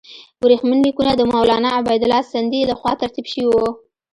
ورېښمین لیکونه د مولنا عبیدالله سندي له خوا ترتیب شوي وو.